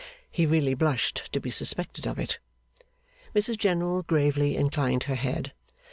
He really blushed to be suspected of it. Mrs General gravely inclined her head.